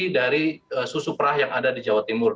dari susu perah yang ada di jawa timur